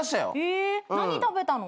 へえ何食べたの？